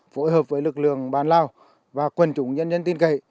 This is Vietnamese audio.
phối hợp với lực lượng bàn lao và quân chủ nhân nhân tin kể